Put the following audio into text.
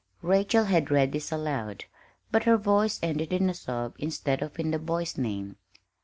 Rachel had read this aloud, but her voice ended in a sob instead of in the boy's name.